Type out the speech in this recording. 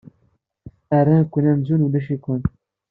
Rran-ken amzun ulac-iken.